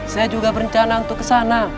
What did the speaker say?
saya juga berencana untuk kesana